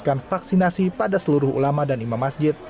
melakukan vaksinasi pada seluruh ulama dan imam masjid